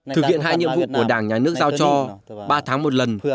thực hiện hai nhiệm vụ của đảng nhà nước giao cho ba tháng một lần